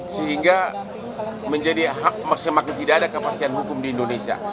sehingga menjadi hak semakin tidak ada kepastian hukum di indonesia